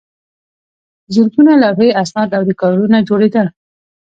زرګونه لوحې، اسناد او ریکارډونه جوړېدل.